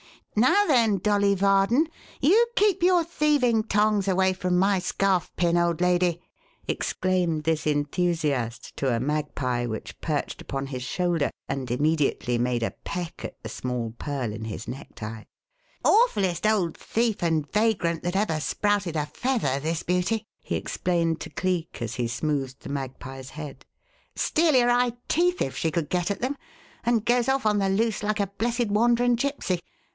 "Now then, Dolly Varden, you keep your thieving tongs away from my scarfpin, old lady!" exclaimed this enthusiast to a magpie which perched upon his shoulder and immediately made a peck at the small pearl in his necktie. "Awfullest old thief and vagrant that ever sprouted a feather, this beauty," he explained to Cleek as he smoothed the magpie's head. "Steal your eye teeth if she could get at them, and goes off on the loose like a blessed wandering gypsy.